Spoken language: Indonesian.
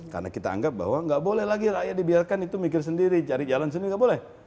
karena kita anggap bahwa gak boleh lagi rakyat dibiarkan itu mikir sendiri cari jalan sendiri gak boleh